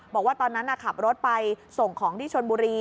บอกว่าตอนนั้นขับรถไปส่งของที่ชนบุรี